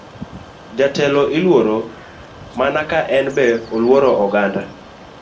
Jatelo iluoro mana ka en be oluoro oganda.